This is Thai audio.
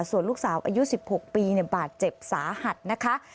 ส่วนลูกสาวอายุ๑๖ปีบาดเจ็บสาหัสนะคะ